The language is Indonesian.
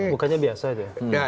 bukannya biasa itu ya